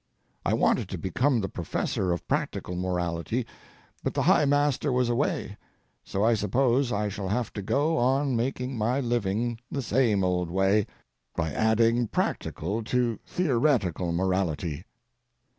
I wanted to become the professor of practical morality, but the high master was away, so I suppose I shall have to go on making my living the same old way—by adding practical to theoretical morality.